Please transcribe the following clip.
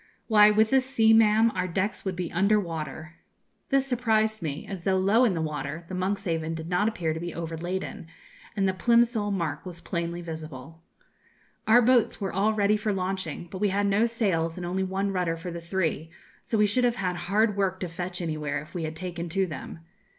Why, with this sea, ma'am, our decks would be under water.' (This surprised me; as, though low in the water, the 'Monkshaven' did not appear to be overladen, and the Plimsoll mark was plainly visible.) 'Our boats were all ready for launching, but we had no sails, and only one rudder for the three; so we should have had hard work to fetch anywhere if we had taken to them.